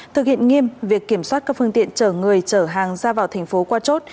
thực hiện nghiêm việc kiểm soát các phương tiện chở người chở hàng ra vào thành phố qua chốt